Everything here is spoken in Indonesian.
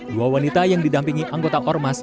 dua wanita yang didampingi anggota ormas